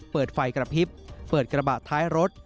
เปิดไฟกระพริบเปิดกระบะท้ายรถ